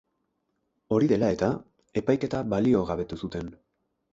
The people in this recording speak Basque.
Hori dela eta, epaiketa baliogabetu zuten.